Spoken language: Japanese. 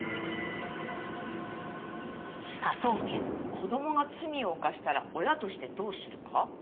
子供が罪を犯したら親としてどうするか？